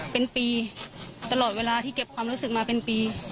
เป็นปีตลอดเวลาที่เก็บความรู้สึกมาเป็นปี